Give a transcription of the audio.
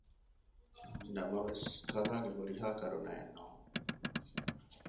ނަމަވެސް ކަލާގެ ހުރިހާ ކަރުނައެއް ނޫން